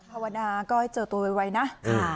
ภาวนาก็ให้เจอตัวไวนะ